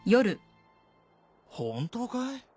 本当かい？